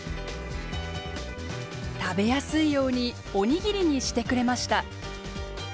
食べやすいようにおにぎりにしてくれました。